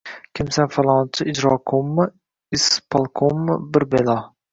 Kimsan falonchi ijroqo‘mmi, ispolkommi, bir balo!